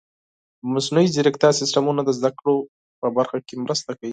د مصنوعي ځیرکتیا سیستمونه د زده کړو په برخه کې مرسته کوي.